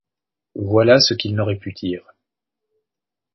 Voilà ce qu’ils n’auraient pu dire.